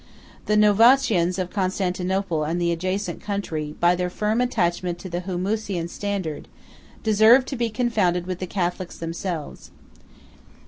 154 The Novatians of Constantinople and the adjacent country, by their firm attachment to the Homoousian standard, deserved to be confounded with the Catholics themselves.